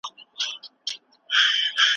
که انا ماشوم ته مینه ورکړې وای، هغه به نه ژړل.